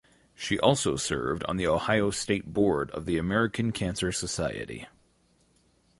She also served on the Ohio state board of the American Cancer Society.